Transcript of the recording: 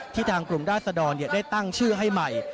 ทางกลุ่มราศดรได้ตั้งชื่อให้ใหม่